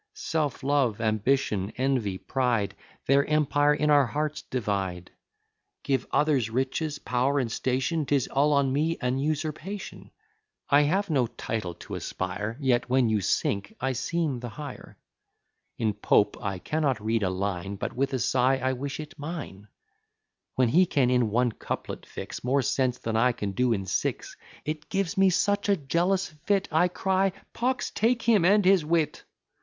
Self love, ambition, envy, pride, Their empire in our hearts divide. Give others riches, power, and station, 'Tis all on me an usurpation. I have no title to aspire; Yet, when you sink, I seem the higher. In Pope I cannot read a line, But with a sigh I wish it mine; When he can in one couplet fix More sense than I can do in six; It gives me such a jealous fit, I cry, "Pox take him and his wit!"